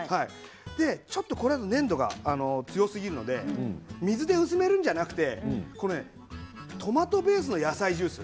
ちょっと粘度が強すぎるので水で薄めるんじゃなくてトマトベースの野菜ジュース。